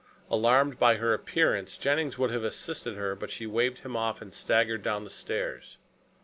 Alarmed by her appearance, Jennings would have assisted her, but she waved him off and staggered down the stairs.